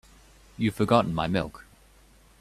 You've forgotten my milk.